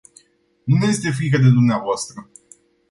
Nu ne este frică de dvs.